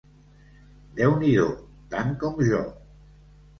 Déu-n'hi-do... tant com jo.